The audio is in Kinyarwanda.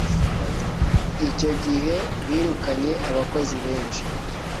Icyo gihe birukanye abakozi benshi.